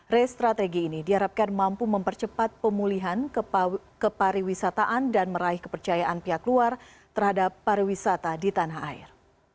re strategi ini diharapkan mampu mempercepat pemulihan kepariwisataan dan meraih kepercayaan pihak luar terhadap pariwisata di tanah air